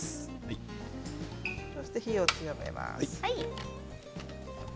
そして火を強めます。